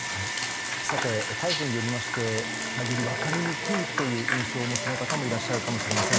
逮捕によりましてより分かりにくいという印象を持っている方もいらっしゃるかもしれません。